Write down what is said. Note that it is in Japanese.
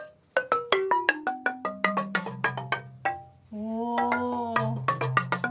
お。